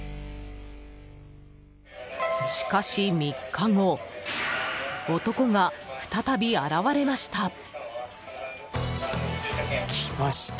しかし、３日後男が再び現れました。